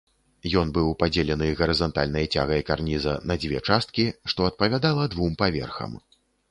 Ён быў падзелены гарызантальнай цягай карніза на дзве часткі, што адпавядала двум паверхам.